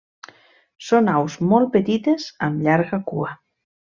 Són aus molt petites, amb llarga cua.